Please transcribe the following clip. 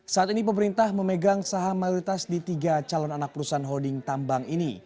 saat ini pemerintah memegang saham mayoritas di tiga calon anak perusahaan holding tambang ini